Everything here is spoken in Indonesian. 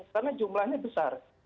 karena jumlahnya besar